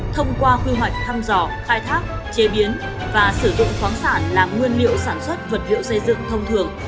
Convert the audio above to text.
thông qua quy hoạch thăm dò khai thác chế biến và sử dụng khoáng sản làm nguyên liệu sản xuất vật liệu xây dựng thông thường